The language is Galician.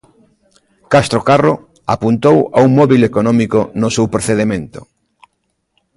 Castro Carro apuntou a un móbil económico no seu procedemento.